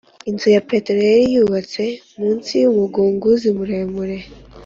inzu ya petero yari yubatse munsi y'umugunguzi muremure;